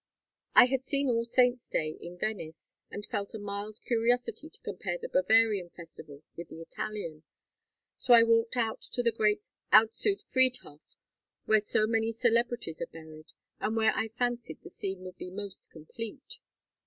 I had seen All Saints' Day in Venice and felt a mild curiosity to compare the Bavarian festival with the Italian. So I walked out to the great Alt Sud Friedhof where so many celebrities are buried, and where I fancied the scene would be most complete.